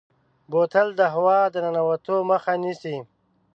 بوتل د هوا د ننوتو مخه نیسي.